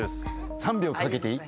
３秒かけていい？